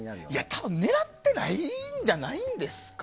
多分狙ってないんじゃないですか。